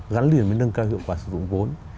gắn liền với nâng cao hiệu quả sử dụng vốn